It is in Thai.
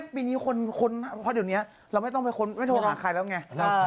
ปีนี้เพราะเดี๋ยวนี้เราไม่ต้องไปค้นไม่โทรหาใครแล้วไง